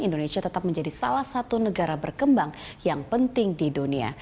indonesia tetap menjadi salah satu negara berkembang yang penting di dunia